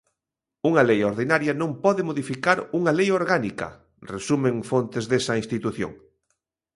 "Unha lei ordinaria non pode modificar unha lei orgánica", resumen fontes desa institución.